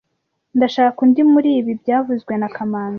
Ndashaka undi muribi byavuzwe na kamanzi